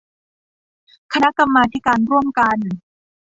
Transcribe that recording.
คณะกรรมาธิการร่วมกัน